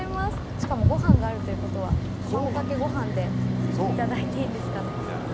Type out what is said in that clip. しかもごはんがあるということはたまごかけごはんで頂いていいんですかね？